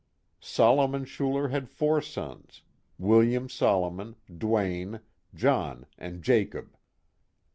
Solomon Schuler had four sons, William Solomon, Duane, John, and Jacob.